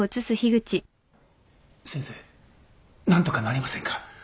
先生何とかなりませんか？